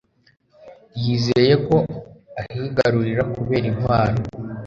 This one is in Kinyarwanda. yizeye ko ahigarurira kubera intwaro